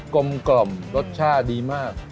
กลมกล่อมรสชาติดีมาก